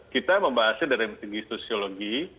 kita membahasnya dari segi sosiologi